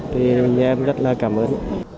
thì nhà em rất là cảm ơn